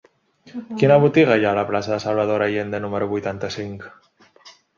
Quina botiga hi ha a la plaça de Salvador Allende número vuitanta-cinc?